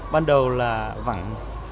ban đầu là vẳng